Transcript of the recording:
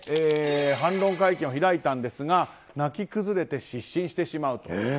反論会見を開いたんですが泣き崩れて失神してしまうと。